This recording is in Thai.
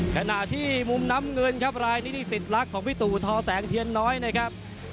ขณะที่มุมน้ำเงินครับรายนี้นี่สิทธิรักของพี่ตู่ทอแสงเทียนน้อยนะครับ